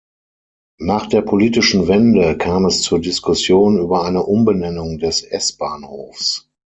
Nach der politischen Wende kam es zur Diskussion über eine Umbenennung des S-Bahnhofs.